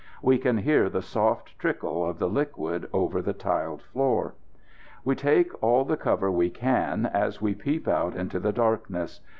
We can hear the soft trickle of the liquid over the tiled floor. We take all the cover we can as we peep out into the darkness.